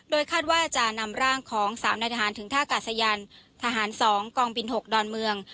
คาดว่าจะนำร่างของ๓นายทหารถึงท่ากาศยานทหาร๒กองบิน๖ดอนเมือง